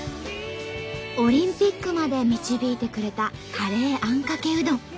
オリンピックまで導いてくれたカレーあんかけうどん。